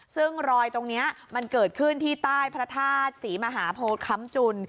ซึ่งรอยตรงนี้มันเกิดขึ้นที่ใต้พระธาตุศรีมหาโพค้ำจุน